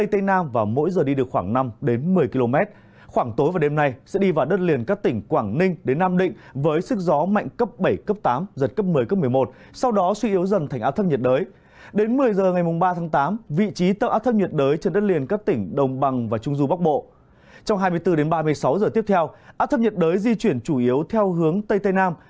trong hai mươi bốn đến ba mươi sáu giờ tiếp theo át thấp nhiệt đới di chuyển chủ yếu theo hướng tây tây nam